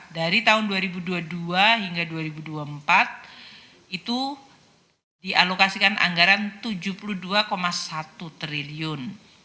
dari tahun dua ribu dua puluh dua hingga dua ribu dua puluh empat itu dialokasikan anggaran rp tujuh puluh dua satu triliun